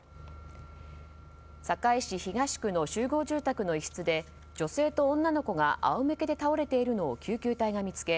堺市東区の集合住宅の一室で女性と女の子が仰向けで倒れているのを救急隊が見つけ